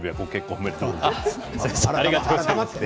ありがとうございます。